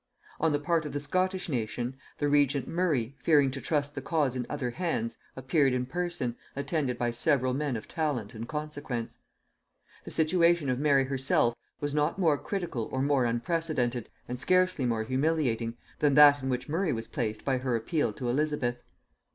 On the part of the Scottish nation, the regent Murray, fearing to trust the cause in other hands, appeared in person, attended by several men of talent and consequence. The situation of Mary herself was not more critical or more unprecedented, and scarcely more humiliating, than that in which Murray was placed by her appeal to Elizabeth.